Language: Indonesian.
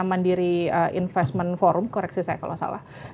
mandiri investment forum koreksi saya kalau salah